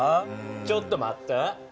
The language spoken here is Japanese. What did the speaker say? ちょっと待って！